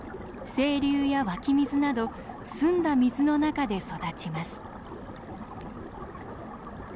清流や湧き水など澄んだ水の中で育ちます。